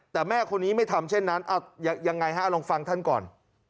แต่แม่คนนี้ไม่ทำเช่นนั้นยังไงฮะลองฟังท่านก่อน